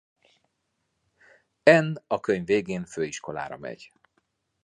Anne a könyv végén főiskolára megy.